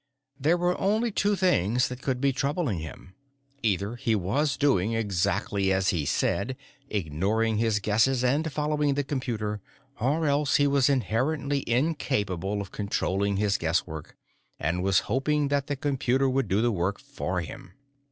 There were only two things that could be troubling him. Either he was doing exactly as he said ignoring his guesses and following the computer or else he was inherently incapable of controlling his guesswork and was hoping that the computer would do the work for him.